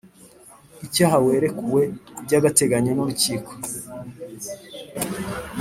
icyaha warekuwe by agateganyo n urukiko